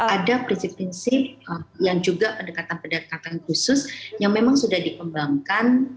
ada prinsip prinsip yang juga pendekatan pendekatan khusus yang memang sudah dikembangkan